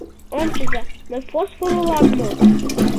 Ончыза, мый фосфор улам мо?